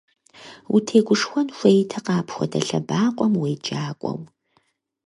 Утегушхуэн хуейтэкъэ апхуэдэ лъэбакъуэм уеджакӏуэу!